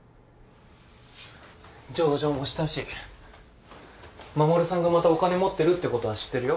上場したし衛さんがまたお金持ってるってことは知ってるよ。